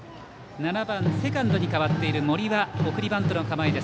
７番セカンドに変わった森は送りバントの構え。